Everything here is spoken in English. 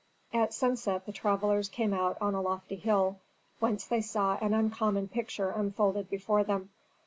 At sunset the travellers came out on a lofty hill, whence they saw an uncommon picture unfolded before them.